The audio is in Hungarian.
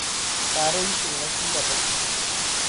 Károly is évekig raboskodott.